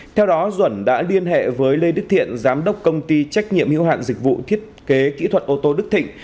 theo đó duẩn đã liên hệ với lê đức thiện giám đốc công ty trách nhiệm hưu hạn dịch vụ thiết kế kỹ thuật ô tô đức thịnh